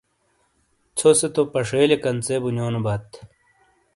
ژھوسے تو پشییلے کنژے بونیونوبات۔